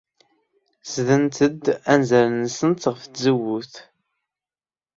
Sdent-d anzaren-nsent ɣef tzewwut.